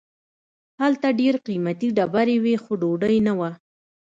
هلته ډیر قیمتي ډبرې وې خو ډوډۍ نه وه.